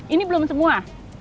ini belum semua